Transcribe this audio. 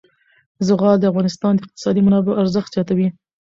زغال د افغانستان د اقتصادي منابعو ارزښت زیاتوي.